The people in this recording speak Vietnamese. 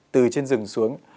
từ trên rừng xuống